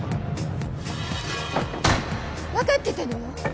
分かってたのよ！